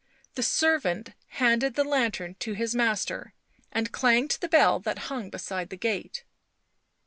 The servant handed the lantern to his master and clanged the bell that hung beside the gate.